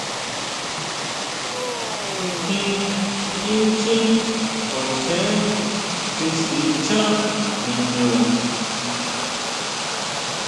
Nkjín inchjín kuachen xi sichán niñu.